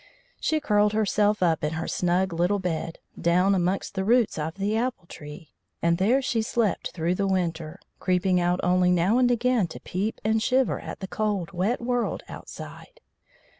She curled herself up in her snug little bed, down amongst the roots of the apple tree, and there she slept through the winter, creeping out only now and again to peep and shiver at the cold, wet world outside.